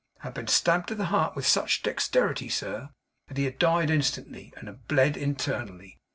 Had been stabbed to the heart with such dexterity, sir, that he had died instantly, and had bled internally.